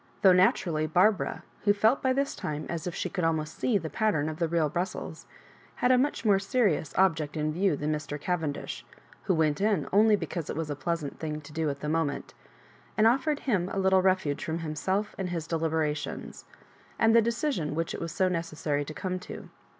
Though naturally Barbara, who felt by this time as if she could almost see the pattern of the real Brussels, had a much more serious object in view than Mr. Cavendish, who went m only because it was a pleasant thing to do at the moment, and offered him a little refuge firom himself and his delibera tions, and the decision which it was so necessary to come to.